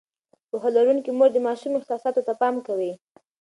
پوهه لرونکې مور د ماشوم احساساتو ته پام کوي.